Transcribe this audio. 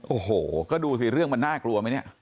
โอ้โหก็ดูสิเรื่องมันน่ากลัวไหมเนี่ย